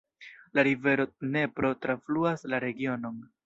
La rivero Dnepro trafluas la regionon.